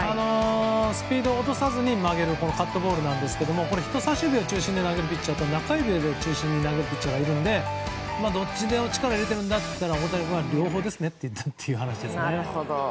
スピードを落とさずに曲げるカットボールですけど人差し指中心で投げるピッチャーと中指中心で投げるピッチャーがいるのでどっちで力を入れているんだと言ったら大谷選手が両方ですねと言ったという話ですね。